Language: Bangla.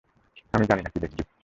আমি জানি না কী লিখবি।